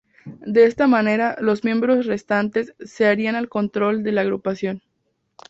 De esta manera, los miembros restantes se harían al control de la agrupación.